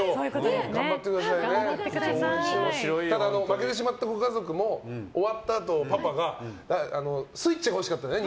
ただ負けてしまったご家族も終わったあと、パパがスイッチがほしかったんですね